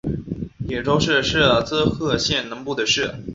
野洲市是滋贺县南部的市。